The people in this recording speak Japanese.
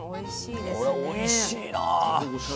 これおいしいな！